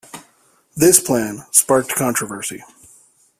This plan sparked controversy.